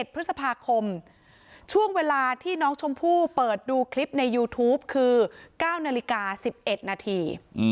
๑พฤษภาคมช่วงเวลาที่น้องชมพู่เปิดดูคลิปในยูทูปคือ๙นาฬิกา๑๑นาที